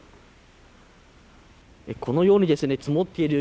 このように積もっている雪